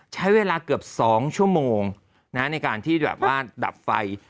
ใช้เวลาเกือบ๒ชั่วโมงในการที่แบบว่าดับไฟ